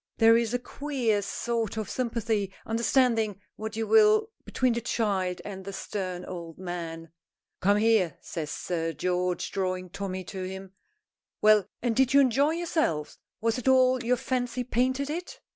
There is a queer sort of sympathy understanding what you will between the child and the stern old man. "Come here," says Sir George, drawing Tommy to him. "Well, and did you enjoy yourself? Was it all your fancy painted it?"